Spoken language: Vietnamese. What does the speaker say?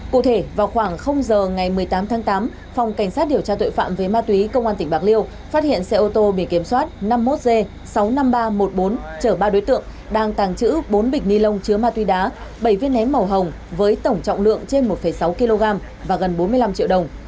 cụ thể vào khoảng giờ ngày một mươi tám tháng tám phòng cảnh sát điều tra tội phạm về ma túy công an tỉnh bạc liêu phát hiện xe ô tô bị kiểm soát năm mươi một g sáu mươi năm nghìn ba trăm một mươi bốn chở ba đối tượng đang tàng trữ bốn bịch ni lông chứa ma túy đá bảy viên nén màu hồng với tổng trọng lượng trên một sáu kg và gần bốn mươi năm triệu đồng